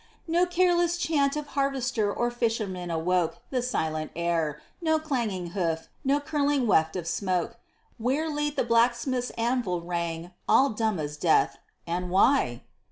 No careless chant of harvester or fisherman awoke The silent air; no clanging hoof, no curling weft of smoke, Where late the blacksmith's anvil rang; all dumb as death, and why?